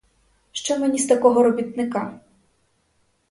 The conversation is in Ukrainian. Що мені з такого робітника!